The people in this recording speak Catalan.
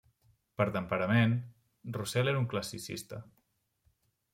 Per temperament, Roussel era un classicista.